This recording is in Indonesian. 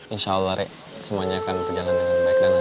insya allah rek semuanya akan berjalan dengan baik dan lancar